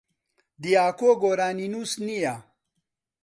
دیاکۆ گۆرانینووس نییە.